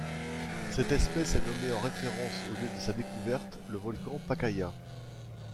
Cette espèce est nommée en référence au lieu de sa découverte, le volcan Pacaya.